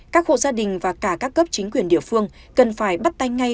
các hộ gia đình và cả các cấp chính quyền địa phương cần phải bắt tay ngay